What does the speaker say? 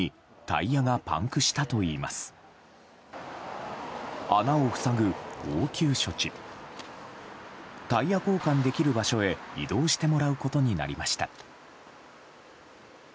タイヤ交換できる場所へ移動してもらうことになりました。